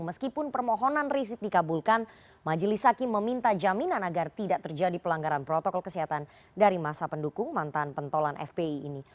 meskipun permohonan rizik dikabulkan majelis hakim meminta jaminan agar tidak terjadi pelanggaran protokol kesehatan dari masa pendukung mantan pentolan fpi ini